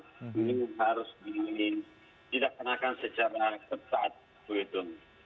ini harus diinginkan tidak kenakan secara ketat begitu